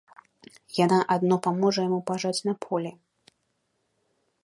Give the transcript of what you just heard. Яна адно паможа яму пажаць на полі.